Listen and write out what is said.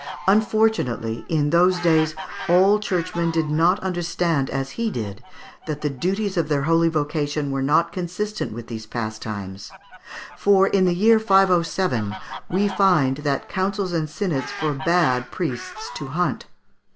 Unfortunately, in those days, all church men did not understand, as he did, that the duties of their holy vocation were not consistent with these pastimes, for, in the year 507, we find that councils and synods forbade priests to hunt.